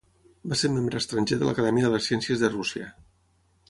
Va ser membre estranger de l'Acadèmia de les Ciències de Rússia.